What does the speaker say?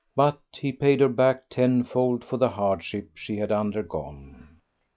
But he paid her back tenfold for the hardship she had undergone.